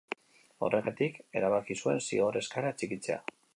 Horregatik erabaki zuen zigor eskaera txikitzea.